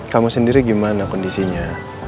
kamu sendiri gimana kondisinya